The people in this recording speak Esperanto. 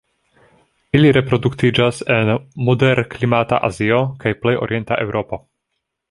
Ili reproduktiĝas en moderklimata Azio kaj plej orienta Eŭropo.